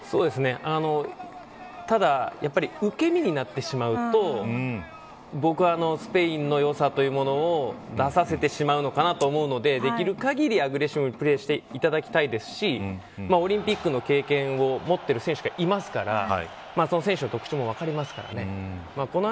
ただ、やっぱり受け身になってしまうと僕はスペインの良さというものを出させてでしまうのかなと思うのでできる限りアグレッシブにプレーしていただきたいですしオリンピックの経験を持っている選手がいますからその選手の特徴も分かりますからね。